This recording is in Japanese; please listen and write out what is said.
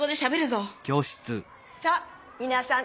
さあみなさん。